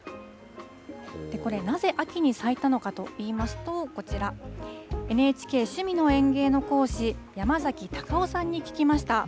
これ、なぜ秋に咲いたのかといいますと、こちら、ＮＨＫ趣味の園芸の講師、山崎隆雄さんに聞きました。